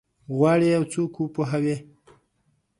غواړي یو څوک وپوهوي؟